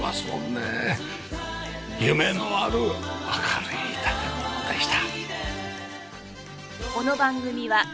夢のある明るい建物でした。